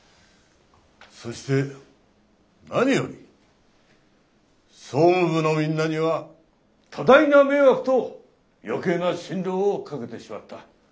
そして何より総務部のみんなには多大な迷惑と余計な心労をかけてしまった。